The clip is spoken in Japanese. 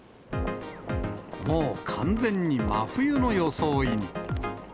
もう完全に真冬の装いに。